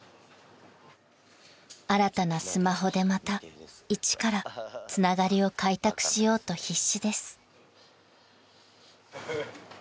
［新たなスマホでまた一からつながりを開拓しようと必死です］